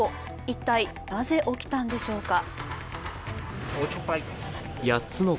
一体なぜ起きたのでしょうか。